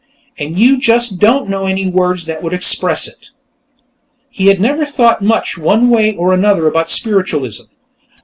And you just don't know any words that would express it." He had never thought much, one way or another, about spiritualism.